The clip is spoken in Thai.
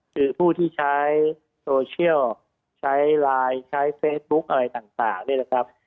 คือผู้ที่ใช้โซเชียลใช้ไลน์ใช้เฟซบุ๊คอะไรต่างเนี่ยนะครับ